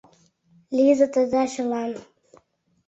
Лийза таза чылан.